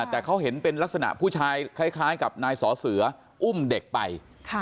แต่เขาเห็นเป็นลักษณะผู้ชายคล้ายกับนายสอเสืออุ้มเด็กไป